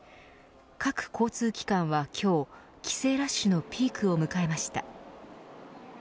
各交通機関は今日、帰省ラッシュのピークを迎えました。